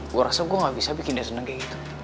gue rasa gue gak bisa bikin dia senang kayak gitu